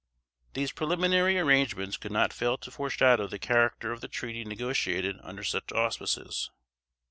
These preliminary arrangements could not fail to foreshadow the character of the treaty negotiated under such auspices.